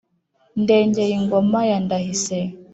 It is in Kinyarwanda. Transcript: ndengeyingoma ya ndahise